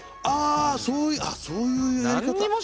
あそうそういうやり方。